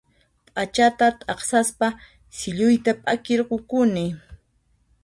P'achata t'aqsaspa silluyta p'akirqukuni